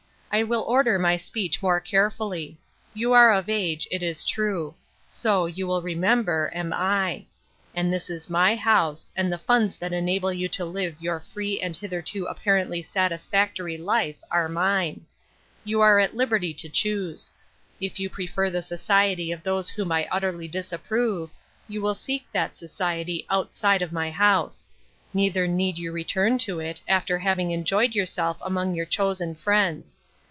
I will order my speech more care fully. You are of age, it is true ; so, you will remember, am I. And this is my house, and the funds that enable you to live your free and hitherto apparently satisfactory life are mine. You are at liberty to choose. If you prefer the society of those whom I utterly disapprove, you will seek that society outside of my house ; neither need you return to it after having enjoyed yourself among your chosen friends.